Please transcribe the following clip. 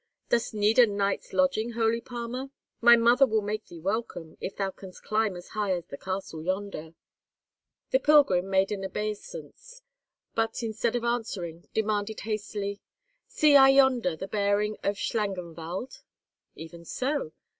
"Dost need a night's lodging, holy palmer? My mother will make thee welcome, if thou canst climb as high as the castle yonder." The pilgrim made an obeisance, but, instead of answering, demanded hastily, "See I yonder the bearing of Schlangenwald?" "Even so.